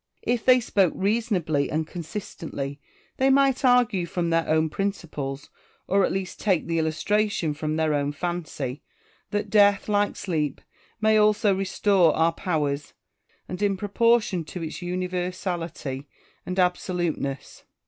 If they spoke reasonably and consistently, they might argue from their own principles, or at least take the illustration from their own fancy, that death like sleep may also restore our powers, and in proportion to its universality and absoluteness.